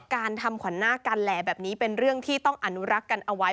การทำขวัญหน้าการแหล่แบบนี้เป็นเรื่องที่ต้องอนุรักษ์กันเอาไว้